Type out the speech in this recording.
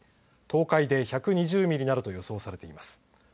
東海で１２０ミリなどと予想されています。